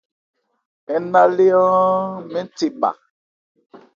Ń na lé áán mɛ́n the bha.